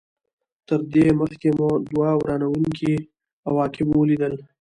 تر دې مخکې مو دوه ورانوونکي عواقب ولیدل.